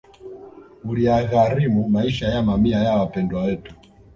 Uliyagharimu maisha ya mamia ya Wapendwa Wetu